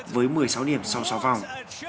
với một mươi sáu điểm sau sáu vòng